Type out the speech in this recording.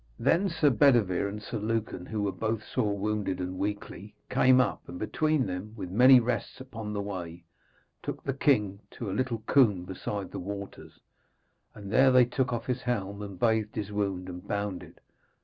Then Sir Bedevere and Sir Lucan, who were both sore wounded and weakly, came up, and between them, with many rests upon the way, took the king to a little combe beside the waters, and there they took off his helm and bathed his wound and bound it.